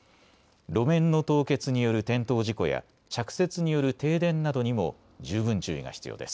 路面の凍結による転倒事故や着雪による停電などにも十分注意が必要です。